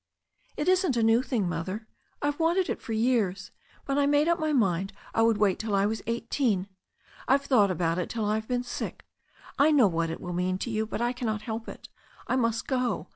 "It isn't a new thing, Mother. I've wanted it for years, but I made up my mind I would wait till I was eighteen. I've thought about it till I've been sick — I know what it will mean to you — ^but I cannot help it. I must go.